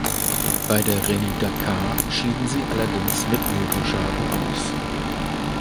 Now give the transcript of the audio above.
Bei der Rallye Dakar schieden sie allerdings mit Motorschaden aus.